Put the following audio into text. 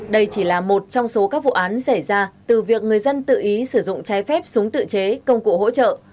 đây chỉ là một trong số các vụ án xảy ra từ việc người dân tự ý sử dụng trái phép súng tự chế công cụ hỗ trợ